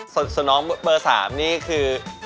ส่วนน้องเบอร์๓นี่คือ